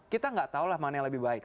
kita nggak tahu lah mana yang lebih baik